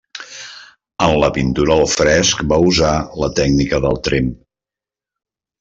En la pintura al fresc va usar la tècnica del tremp.